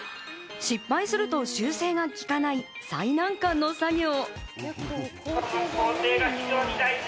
失敗すると修正がきかない最難関の作業。